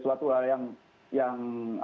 suatu hal yang